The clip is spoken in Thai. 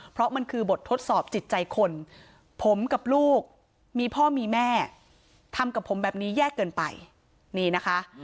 เพราะมันคือบททดสอบจิตใจคนผมกับลูกมีพ่อมีแม่ทำกับผมแบบนี้แย่เกินไปนี่นะคะ